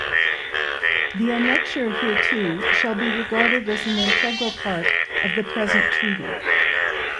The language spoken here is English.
The Annexure hereto shall be regarded as an integral part of the present Treaty.